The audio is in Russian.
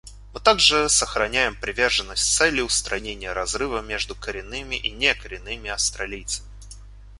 Мы также сохраняем приверженность цели устранения разрыва между коренными и некоренными австралийцами.